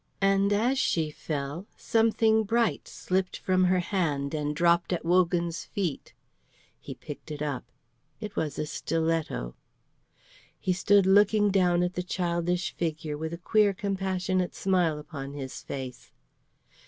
And as she fell, something bright slipped from her hand and dropped at Wogan's feet. He picked it up. It was a stiletto. He stood looking down at the childish figure with a queer compassionate smile upon his face.